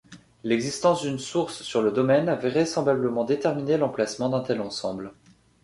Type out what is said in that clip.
L’existence d’une source sur le domaine a vraisemblablement déterminé l’emplacement d’un tel ensemble.